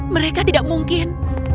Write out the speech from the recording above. mereka tidak mungkin